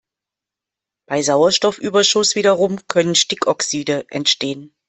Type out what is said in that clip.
Bei Sauerstoffüberschuss wiederum können Stickoxide entstehen.